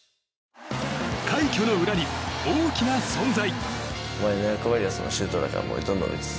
快挙の裏に大きな存在。